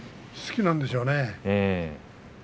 好きなんでしょうね。